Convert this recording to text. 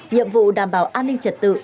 nhiệm vụ đảm bảo an ninh trật tự